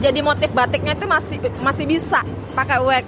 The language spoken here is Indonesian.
jadi motif batiknya itu masih bisa pakai wax